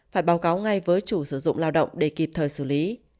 phải báo cáo ngay với chủ sử dụng lao động để kịp thời xử lý